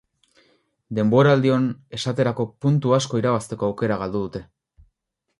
Denboraldion, esaterako, puntu asko irabazteko aukera galdu dute.